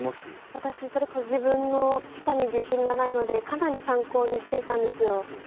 私、それこそ自分の舌に自信がないのでかなり参考にしていたんですよ。